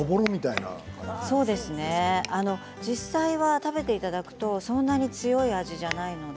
実際は食べていただくとそんなに強い味ではないので。